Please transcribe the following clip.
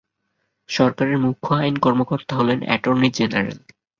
সরকারের মুখ্য আইন কর্মকর্তা হলেন অ্যাটর্নি জেনারেল।